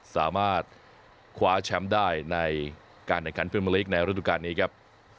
สามารถคว้าแชมพ์ได้ในการแข่งการเป็นในระดูกาลนี้ครับ